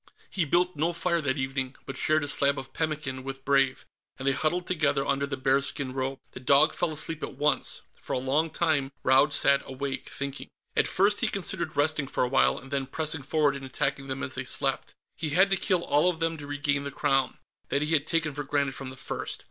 He built no fire that evening, but shared a slab of pemmican with Brave, and they huddled together under the bearskin robe. The dog fell asleep at once. For a long time, Raud sat awake, thinking. At first, he considered resting for a while, and then pressing forward and attacking them as they slept. He had to kill all of them to regain the Crown; that he had taken for granted from the first.